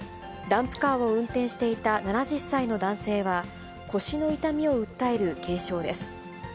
ダンプカーを運転していた７０歳の男性は、腰の痛みを訴える軽傷です。